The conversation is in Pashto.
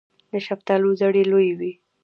د شفتالو زړې لویې وي.